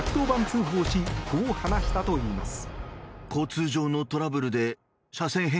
通報しこう話したといいます。